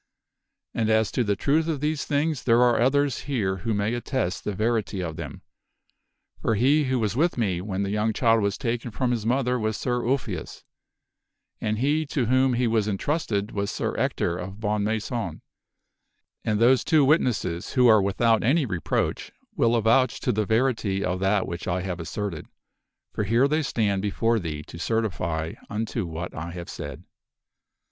And as to the truth of these things there are others here who may attest the verity of them for he who was with me when ARTHUR PERFORMS THE MIRACLE 33 the young child was taken from his mother was Sir Ulfius, and he to whom he was entrusted was Sir Ector of Bonmaison and those two wit nesses, who are without any reproach, will avouch to the verity of that which I have asserted, for here they stand before thee to certify unto what I have said."